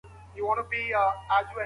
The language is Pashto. بېړني خدمات کله وړاندي کیږي؟